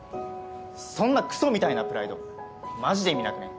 そんなクソみたいなプライドマジで意味なくね？